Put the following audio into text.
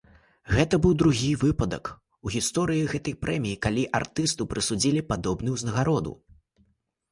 Гэта быў другі выпадак у гісторыі гэтай прэміі, калі артысту прысудзілі падобную ўзнагароду.